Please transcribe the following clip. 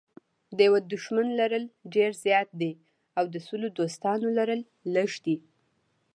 د یوه دښمن لرل ډېر زیات دي او د سلو دوستانو لرل لږ دي.